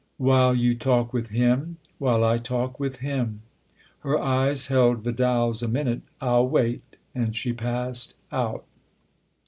" While you talk with him ?"" While I talk with him.' " Her eyes held Vidal's a minute. "I'll wait." And she passed out.